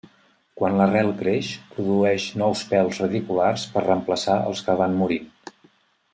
Quan l'arrel creix produeix nous pèls radiculars per reemplaçar els que van morint.